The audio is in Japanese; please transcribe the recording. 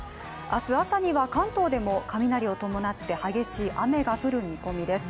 明日朝には関東でも雷を伴って激しい雨が降る見込みです。